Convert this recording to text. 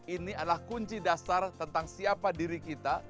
ini adalah kunci dasar tentang siapa diri kita